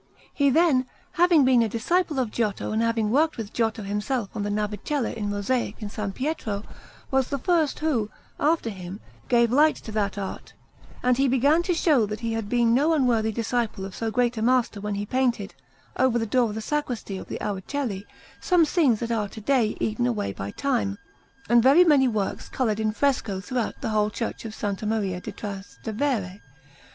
He, then, having been a disciple of Giotto and having worked with Giotto himself on the Navicella in mosaic in S. Pietro, was the first who, after him, gave light to that art, and he began to show that he had been no unworthy disciple of so great a master when he painted, over the door of the sacristy of the Araceli, some scenes that are to day eaten away by time, and very many works coloured in fresco throughout the whole Church of S. Maria di Trastevere.